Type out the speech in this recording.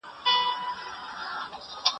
مه وايئ چې زه څه نشم کولای.